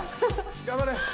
頑張れ！